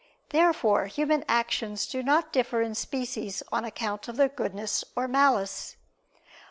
Therefore human actions do not differ in species on account of their goodness or malice.